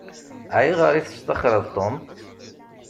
Ayɣer i testaxṛeḍ Tom?